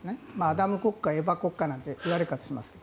アダム国家、エバ国家なんていう言われ方をしますが。